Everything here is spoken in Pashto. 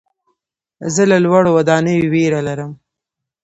زه له لوړو ودانیو ویره لرم.